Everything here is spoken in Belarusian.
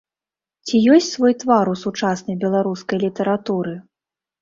Ці ёсць свой твар у сучаснай беларускай літаратуры?